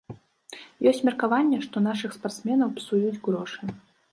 Ёсць меркаванне, што нашых спартсменаў псуюць грошы.